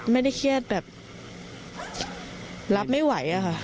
ไม่ได้เครียดแบบรับไม่ไหวอะค่ะ